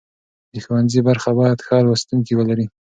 د ښوونځي برخه باید ښه لوستونکي ولري.